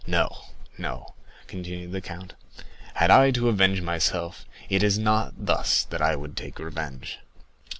No, no," continued the count, "had I to avenge myself, it is not thus I would take revenge."